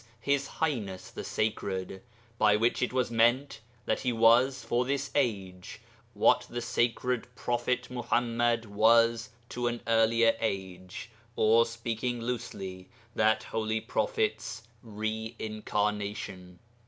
'His Highness the Sacred,' by which it was meant that he was, for this age, what the sacred prophet Muḥammad was to an earlier age, or, speaking loosely, that holy prophet's 're incarnation.'